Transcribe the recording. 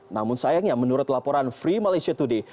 namun sayangnya menurut laporan free malaysia today